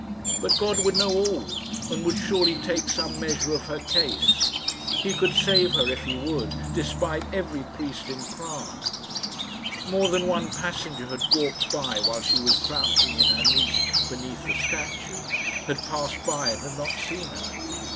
But God would know all, and would surely take some measure of her case. He could save her if He would, despite every priest in Prague. More than one passenger had walked by while she was crouching in her niche beneath the statue had passed by and had not seen her.